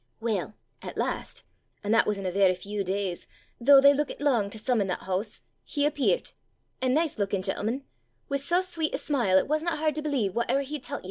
"Weel, at last, an' that was in a varra feow days, though they luikit lang to some i' that hoose, he appeart a nice luikin' gentleman, wi' sae sweet a smile it wasna hard to believe whate'er he tellt ye.